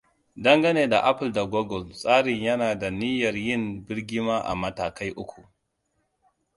Dangane da Apple da Google, tsarin yana da niyyar yin birgima a matakai uku: